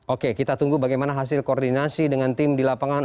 oke kita tunggu bagaimana hasil koordinasi dengan tim di lapangan